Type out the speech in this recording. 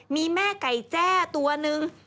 มีแม่ไก่แจ้ตัวนึง